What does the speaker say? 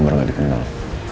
dan nomor gak dikenal